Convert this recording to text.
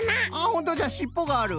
ほんとじゃしっぽがある。